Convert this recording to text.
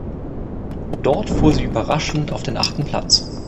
Dort fuhr sie überraschend auf den achten Platz.